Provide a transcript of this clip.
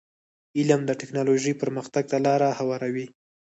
علم د ټکنالوژی پرمختګ ته لار هواروي.